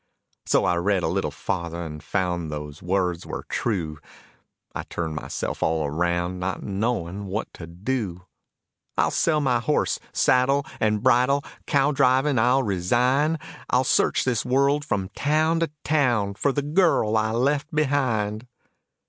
So I read a little farther and found those words were true. I turned myself all around, not knowing what to do. I'll sell my horse, saddle, and bridle, cow driving I'll resign, I'll search this world from town to town for the girl I left behind.